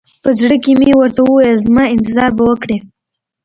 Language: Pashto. په زړه کښې مې ورته وويل زما انتظار به وکړې.